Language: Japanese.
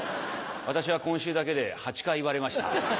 私は今週だけで８回言われました。